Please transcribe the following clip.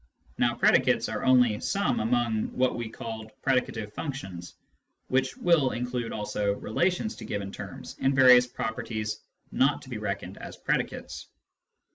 Now predicates are only some among what we called " predicative functions," which will include also relations to given terms, and various properties not to be reckoned as predicates.